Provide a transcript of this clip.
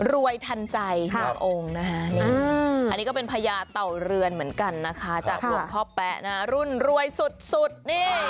รวยทันใจหนึ่งองค์นะคะนี่อันนี้ก็เป็นพญาเต่าเรือนเหมือนกันนะคะจากหลวงพ่อแป๊ะนะรุ่นรวยสุดนี่